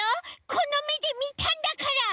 このめでみたんだから！